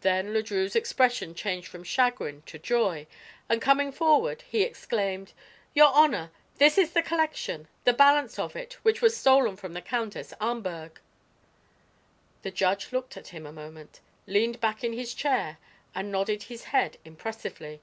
Then Le Drieux's expression changed from chagrin to joy and coming forward he exclaimed: "Your honor, this is the collection the balance of it which was stolen from the Countess Ahmberg!" The judge looked at him a moment, leaned back in his chair and nodded his head impressively.